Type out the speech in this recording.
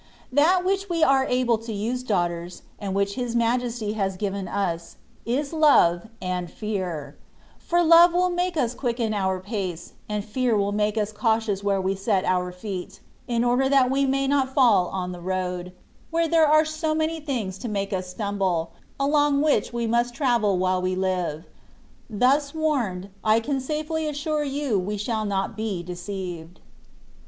That which we are able to use, daughters, and which His Majesty has given us, is love and fear ; for love will make us quicken our pace, and fear will make us be cautious where we set our feet, in order that we may not fall on the road, where there are so many things to make us stumble, along which we must travel while we live : thus warned, I can safely assure you we shall not be deceived.